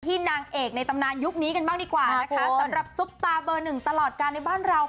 นางเอกในตำนานยุคนี้กันบ้างดีกว่านะคะสำหรับซุปตาเบอร์หนึ่งตลอดการในบ้านเรา